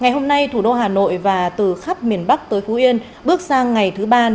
hãy đăng ký kênh để ủng hộ kênh của chúng mình nhé